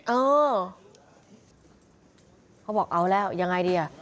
เออเขาบอกเอาแล้วยังไงดีอ่ะ